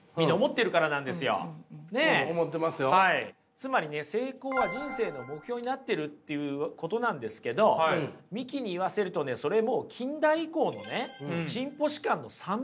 つまりね成功は人生の目標になってるということなんですけど三木に言わせるとそれも近代以降の進歩史観の産物なんですよ。